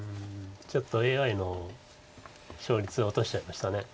ちょっとＡＩの勝率落としちゃいました。